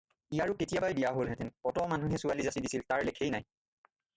ইয়াৰো কেতিয়াবাই বিয়া হ'লহেঁতেন, ক'ত মানুহে ছোৱালী যাচি দিছিল তাৰ লেখেই নাই।